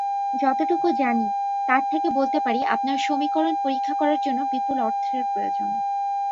যতটুকু জানি তার থেকে বলতে পারি আপনার সমীকরণ পরীক্ষা করার জন্যে বিপুল অর্থের প্রয়োজন।